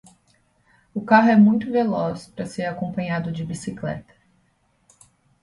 O carro é muito veloz para ser acompanhado de bicicleta.